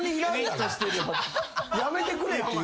「やめてくれ」って。